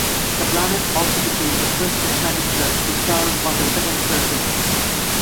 Cabranes also became the first Hispanic judge to serve on the Second Circuit.